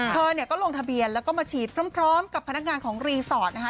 เธอเนี่ยก็ลงทะเบียนแล้วก็มาฉีดพร้อมกับพนักงานของรีสอร์ทนะคะ